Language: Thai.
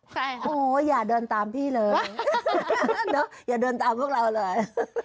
ใครครับโอ๊ยอย่าเดินตามพี่เลยอย่าเดินตามพวกเราเลย